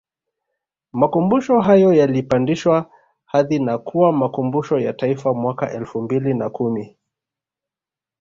makumbusho hayo yalipandishwa hadhi na kuwa Makumbusho ya Taifa mwaka elfu mbili na kumi